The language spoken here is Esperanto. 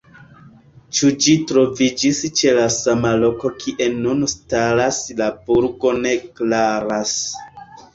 Ĉu ĝi troviĝis ĉe la sama loko kie nun staras la burgo ne klaras.